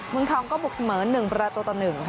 เมืองทองก็บุกเสมอ๑ประตูต่อ๑ค่ะ